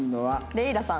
レイラさん。